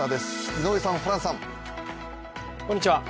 井上さん、ホランさん。